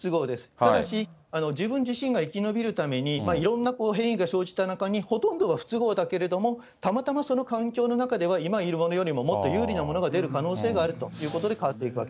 ただし、自分自身が生き延びるためにいろんな変異が生じた中に、ほとんどは不都合だけれども、たまたまその環境の中では今いるものよりも、もっと有利なものが出る可能性があるということで、変わっていくわけです。